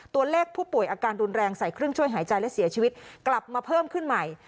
ตัวเลขผู้ป่วยอาการรุนแรงใส่เครื่องช่วยหายใจและเสียชีวิตกลับมาเพิ่มขึ้นใหม่